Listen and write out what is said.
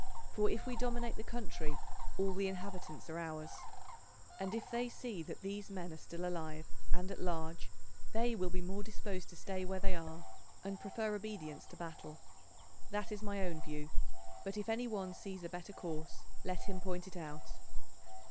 For if we dominate the country all the inhabitants are ours, and if they see that these men are still alive and at large they will be more disposed to stay where they are, and prefer obedience to battle. That is my own view, but if any one sees a better course, let him point it out."